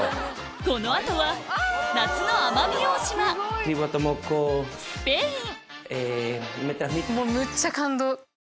この後は夏の奄美大島スペインむっちゃ感動！